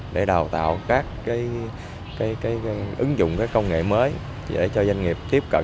để đào tạo các ứng dụng công nghệ mới để cho doanh nghiệp tiếp cận